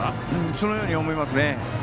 そのように思いますね。